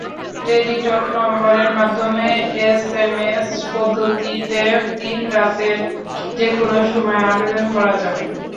Teletalk নম্বরের মাধ্যমে SMS পদ্ধতিতে দিন-রাতের যেকোনো সময় আবেদন করা যাবে।